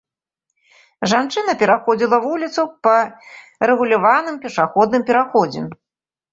Жанчына пераходзіла вуліцу па рэгуляваным пешаходным пераходзе.